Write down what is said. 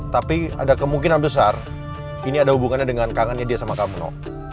tapi ada kemungkinan besar ini ada hubungannya dengan kangennya dia sama kamu